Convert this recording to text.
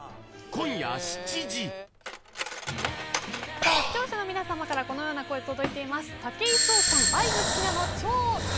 さあ、視聴者の皆さまからこのような声、届いています。